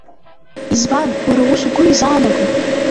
Избан, уара ус угәы изаанаго?